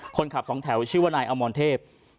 คนขับสองแถวชื่อว่านายอมรเทพ